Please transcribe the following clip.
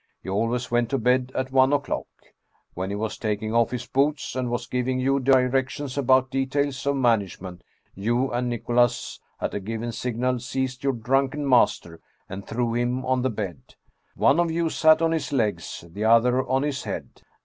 He always went to bed at one o'clock. When he was taking off his boots, and was giving you directions about details of management, you and Nicholas, at a given sig nal, seized your drunken master and threw him on the 171 Russian Mystery Stories bed. One of you sat on his legs, the other on his head.